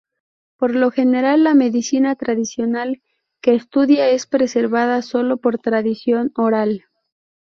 Por lo general, la medicina tradicional que estudia es preservada sólo por tradición oral.